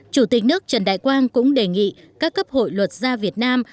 chủ tịch nước trần đại quang cũng đề nghị các cấp hội luật gia việt nam